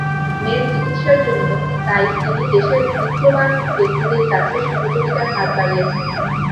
মেয়ের চিকিৎসার জন্য তাই তিনি দেশের বিত্তবান ব্যক্তিদের কাছে সহযোগিতার হাত বাড়িয়েছেন।